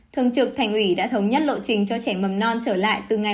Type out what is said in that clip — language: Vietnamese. thường trực thành ủy đã thống nhất lộ trình cho trẻ mầm non trở lại từ ngày một ba